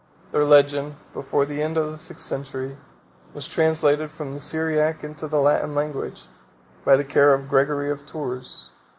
45 Their legend, before the end of the sixth century, was translated from the Syriac into the Latin language, by the care of Gregory of Tours.